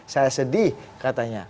saya sedih katanya